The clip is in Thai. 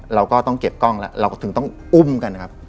เราก็ต้องเก็บกล้องแล้วเราก็ถึงต้องอุ้มกันนะครับ